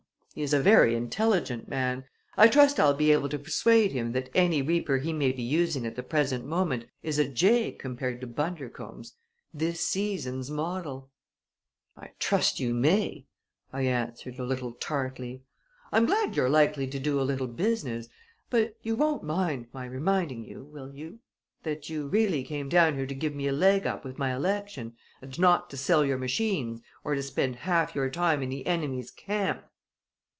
He is a very intelligent man. I trust I'll be able to persuade him that any reaper he may be using at the present moment is a jay compared to Bundercombe's this season's model!" "I trust you may," I answered, a trifle tartly. "I am glad you're likely to do a little business; but you won't mind, my reminding you will you? that you really came down here to give me a leg up with my election, and not to sell your machines or to spend half your time in the enemy's camp!"